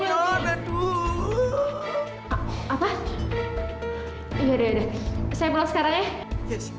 yaudah yaudah saya pulang sekarang ya